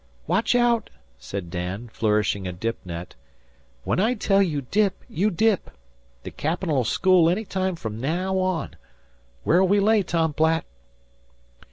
"Watch out!" said Dan, flourishing a dip net "When I tell you dip, you dip. The caplin'll school any time from naow on. Where'll we lay, Tom Platt?"